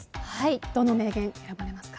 どの名言選ばれますか？